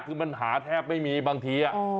คือมันหาแทบไม่มีบางที